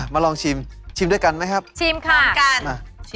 ลองชิมชิมด้วยกันไหมครับชิมคำกัน